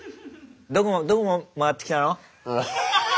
「どこ回ってきたの？」。